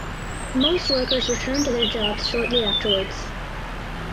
Most workers returned to their jobs shortly afterwards.